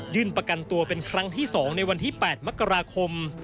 ประกันตัวเป็นครั้งที่๒ในวันที่๘มกราคม